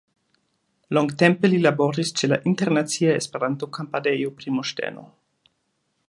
Longtempe li laboris ĉe la Internacia-Esperanto-Kampadejo-Primoŝteno.